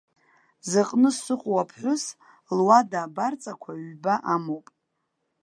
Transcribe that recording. Зыҟны сыҟоу аԥҳәыс луада абарҵақәа ҩба амоуп.